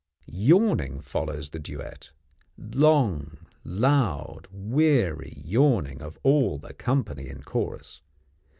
Yawning follows the duet; long, loud, weary yawning of all the company in chorus.